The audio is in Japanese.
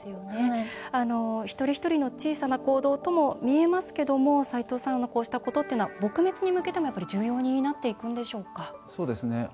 一人一人の小さな行動とも見えますけどもこうしたことっていうのは撲滅に向けても重要になっていくんでしょうか？